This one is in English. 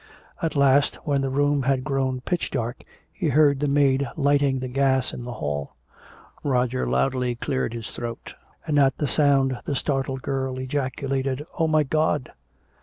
At last, when the room had grown pitch dark, he heard the maid lighting the gas in the hall. Roger loudly cleared his throat, and at the sound the startled girl ejaculated, "Oh, my Gawd!"